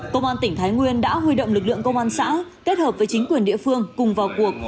công an tỉnh thái nguyên đã huy động lực lượng công an xã kết hợp với chính quyền địa phương cùng vào cuộc